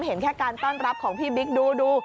เห็นแค่การต้อนรับของพี่บิ๊กดู